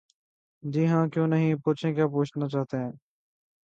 جی ہاں کیوں نہیں...پوچھیں کیا پوچھنا چاہتے ہیں؟